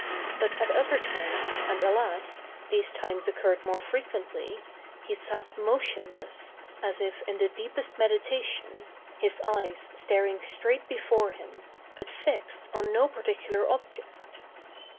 But at other times, and alas, these times occurred more fre quently, he sat motionless, as if in the deepest meditation, his eyes staring straight before him, but fixed on no particular object.